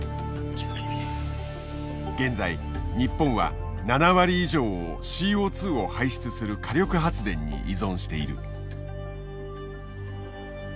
現在日本は７割以上をＣＯを排出する火力発電に依存している。